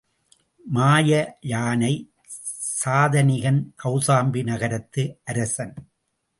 மாய யானை சதானிகன் கௌசாம்பி நகரத்து அரசன்.